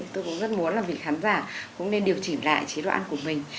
tôi cũng rất muốn là vị khán giả cũng nên điều chỉnh lại chế độ ăn của mình